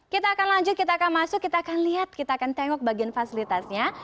kita akan lanjut kita akan masuk kita akan lihat kita akan tengok bagian fasilitasnya